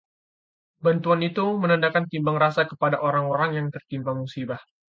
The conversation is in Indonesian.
bantuan itu menandakan timbang rasa kepada orang-orang yang tertimpa musibah